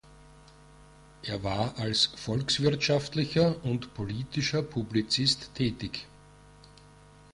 Er war als volkswirtschaftlicher und politischer Publizist tätig.